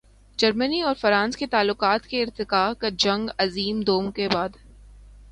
جرمنی اور فرانس کے تعلقات کے ارتقاء کا جنگ عظیم دوئم کے بعد۔